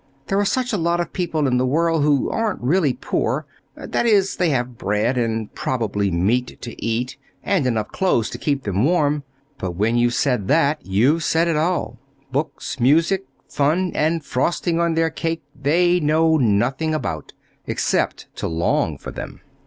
"There are such a lot of people in the world who aren't really poor. That is, they have bread, and probably meat, to eat, and enough clothes to keep them warm. But when you've said that, you've said it all. Books, music, fun, and frosting on their cake they know nothing about except to long for them."